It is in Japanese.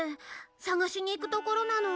捜しに行くところなの。